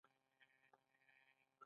هغه د باران په سمندر کې د امید څراغ ولید.